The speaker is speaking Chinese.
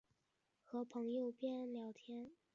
和朋友边聊天